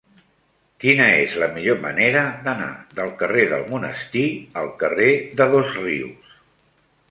Quina és la millor manera d'anar del carrer del Monestir al carrer de Dosrius?